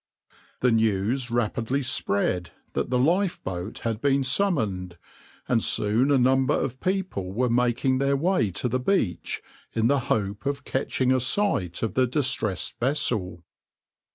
The news rapidly spread that the lifeboat had been summoned, and soon a number of people were making their way to the beach in the hope of catching a sight of the distressed vessel.